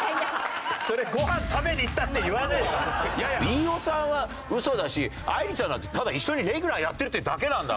飯尾さんは嘘だしあいりちゃんなんてただ一緒にレギュラーやってるっていうだけなんだから。